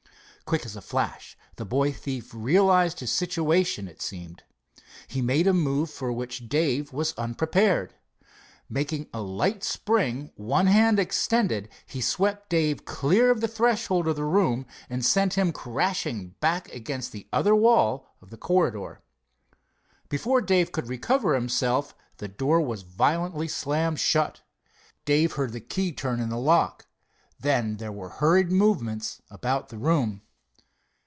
Quick as a flash the boy thief realized his situation, it seemed. He made a move for which Dave was unprepared. Making a light spring, one hand extended, he swept Dave clear of the threshold of the room, and sent him crashing back against the other wall of the corridor. Before Dave could recover himself the door was violently slammed shut. Dave heard the key turn in the lock. Then there were hurried movements about the room.